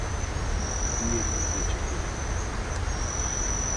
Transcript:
Diğerini de çekelim efendim